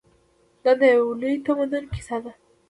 دا د یو لوی تمدن کیسه ده.